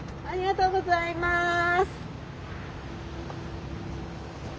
ありがとうございます。